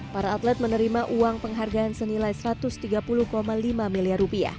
para atlet menerima uang penghargaan senilai rp satu ratus tiga puluh lima miliar